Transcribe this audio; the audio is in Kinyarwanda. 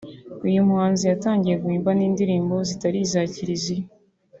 uyu muhanzi yatangiye guhimba n’izindi ndirimbo zitari iza Kiriziya